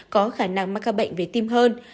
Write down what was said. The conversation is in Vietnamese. có khả năng mắc các bệnh về tim hơn